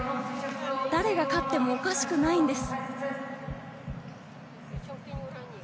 誰が勝ってもおかしくないんです。